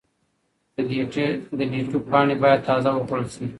د لیټو پاڼې باید تازه وخوړل شي.